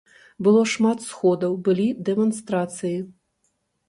Было шмат сходаў, былі дэманстрацыі.